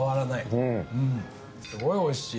すごいおいしい。